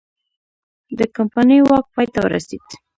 د کمپنۍ واک پای ته ورسید.